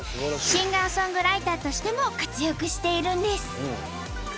シンガーソングライターとしても活躍しているんです。